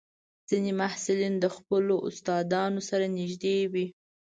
ځینې محصلین د خپلو استادانو سره نږدې وي.